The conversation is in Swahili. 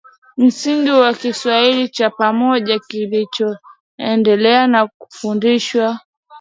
msingi wa Kiswahili cha pamoja kilichoendela kufundishwa